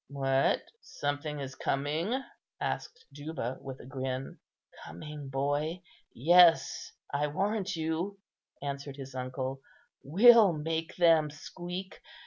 "What! something is coming?" asked Juba, with a grin. "Coming, boy? yes, I warrant you," answered his uncle. "We'll make them squeak.